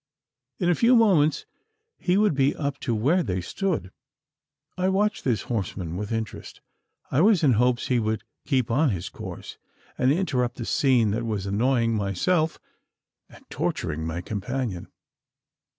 In a few moments, he would be up to where they stood. I watched this horseman with interest. I was in hopes he would keep on his course, and interrupt the scene that was annoying myself, and torturing my companion.